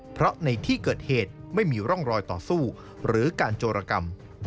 เพราะในที่เกิดเหตุไม่มีร่องรอยต่อสู้หรือการโจรกรรม